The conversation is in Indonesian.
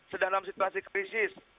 sedang dalam situasi krisis